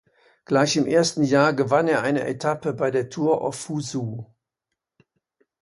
Gleich im ersten Jahr gewann er eine Etappe bei der Tour of Fuzhou.